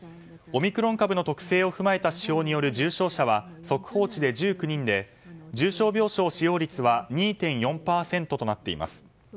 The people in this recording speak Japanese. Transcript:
オミクロン株の特性を踏まえた指標による重症者は速報値で１９人で重症病床使用率は２．４％となっています。